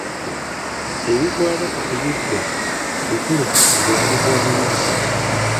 Ebikwata ku kuyigga bikulu mu bulamu bw'omuyizzi.